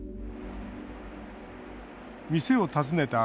店を訪ねた